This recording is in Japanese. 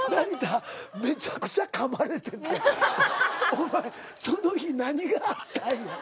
お前その日何があったんや。